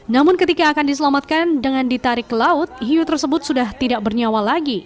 namun ketika akan diselamatkan dengan ditarik ke laut hiu tersebut sudah tidak bernyawa lagi